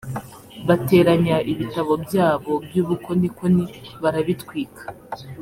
bateranya ibitabo byabo by’ubukonikoni barabitwika